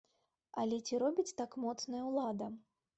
Але ці робіць так моцная ўлада?